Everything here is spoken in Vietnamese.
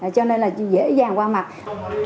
cho nên là dễ dàng qua mặt